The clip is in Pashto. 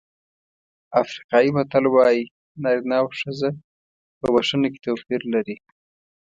افریقایي متل وایي نارینه او ښځه په بښنه کې توپیر لري.